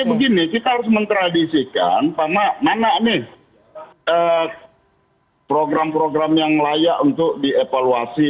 jadi begini kita harus mentradisikan mana program program yang layak untuk dievaluasi